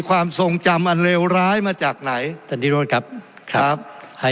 ความทรงจำอันเลวร้ายมาจากไหนท่านนิโรธครับครับให้